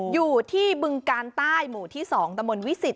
อยู่ที่บึงกาลใต้หมู่ที่๒ตะมนต์วิสิต